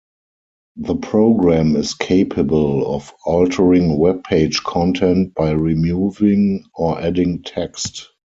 The program is capable of altering web page content by removing or adding text.